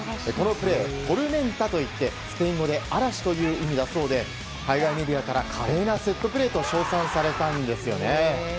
このプレー、トルメンタといってスペイン語で嵐という意味だそうで、海外メディアから華麗なセットプレーと称賛されたんですよね。